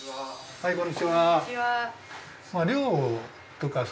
はいこんにちは。